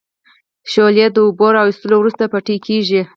شولې د اوبو را وېستلو وروسته بټۍ کیږي.